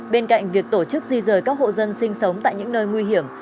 bên cạnh việc tổ chức di rời các hộ dân sinh sống tại những nơi nguy hiểm